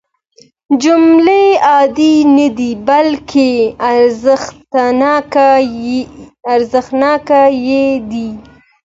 جملې عادي نه دي بلکې ارزښتناکې دي.